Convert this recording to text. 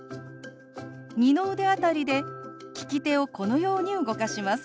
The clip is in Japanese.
二の腕辺りで利き手をこのように動かします。